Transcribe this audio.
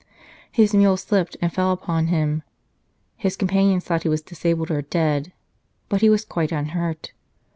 His mule slipped, and fell upon him. His companions thought he was disabled or dead, but he was quite unhurt.